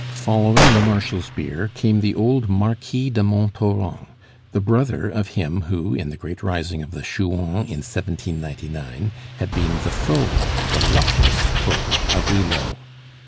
Following the Marshal's bier came the old Marquis de Montauran, the brother of him who, in the great rising of the Chouans in 1799, had been the foe, the luckless foe, of Hulot.